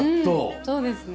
うんそうですね。